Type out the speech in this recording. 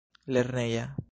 lerneja